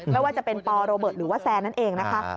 ไม่ว่าจะเป็นปโรเบิร์ตหรือว่าแซนนั่นเองนะคะ